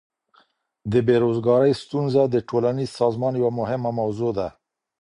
د بیروزګاری ستونزه د ټولنیز سازمان یوه مهمه موضوع ده.